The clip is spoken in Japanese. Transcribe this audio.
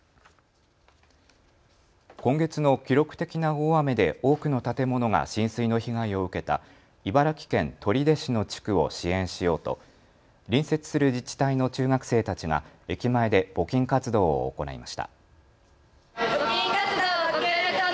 今月の記録的な大雨で多くの建物が浸水の被害を受けた茨城県取手市の地区を支援しようと隣接する自治体の中学生たちが駅前で募金活動を行いました。